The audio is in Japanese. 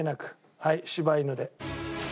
はい柴犬で。